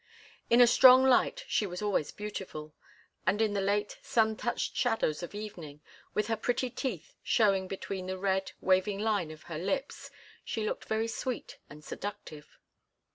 In a strong light she was always beautiful, and in the late, sun touched shadows of evening, with her pretty teeth showing between the red, waving line of her lips, she looked very sweet and seductive.